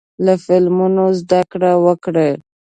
له فلمونو زده کړه وکړئ.